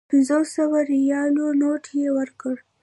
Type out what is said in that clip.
د پنځو سوو ریالو نوټ یې ورکړ.